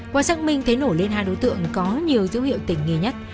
qua xác minh thấy nổ lên hai đối tượng có nhiều dữ hiệu tỉnh nghề nhất